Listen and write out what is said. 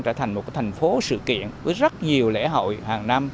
trở thành một thành phố sự kiện với rất nhiều lễ hội hàng năm